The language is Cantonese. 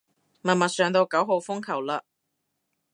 默默上到九號風球嘞